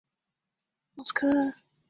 莫斯科国际航空航天展览会。